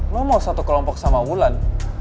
lo mau satu kelompok sama wulan